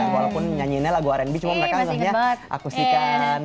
walaupun nyanyiinnya lagu rnb cuma mereka ngerasainnya akustikan